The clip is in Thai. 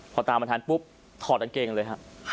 พอตามมาทันปุ๊บถอดกางเกงเลยครับ